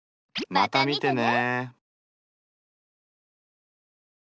また見てね！